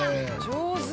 上手！